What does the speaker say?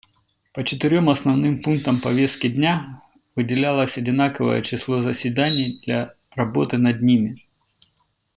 По четырем основным пунктам повестки дня выделялось одинаковое число заседаний для работы над ними.